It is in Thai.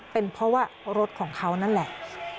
เป็นเพราะว่ารถของเขานั่นแหละ